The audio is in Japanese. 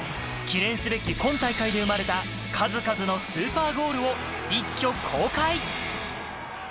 記念すべき今大会で生まれた数々のスーパーゴールを一挙公開。